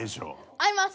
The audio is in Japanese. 合います！